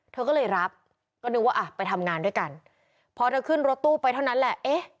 เธอก็รับล่ะว่าไปทำงานด้วยกันพอเราขึ้นรถตู้ไปเท่านั้นแหละ